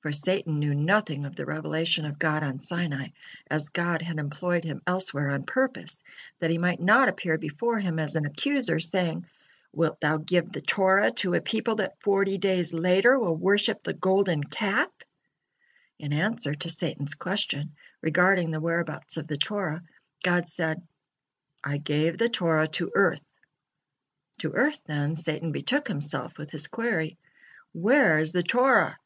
For Satan knew nothing of the revelation of God on Sinai, as God had employed him elsewhere on purposes, that he might not appear before him as an accuser, saying: "Wilt Thou give the Torah to a people that forty days later will worship the Golden Calf?" In answer to Satan's question regarding the whereabouts of the Torah, God said: "I gave the Torah to Earth." To earth, then, Satan betook himself with his query: "Where is the Torah?"